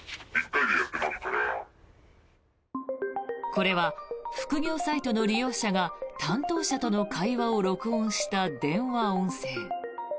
これは副業サイトの利用者が担当者との会話を録音した電話音声。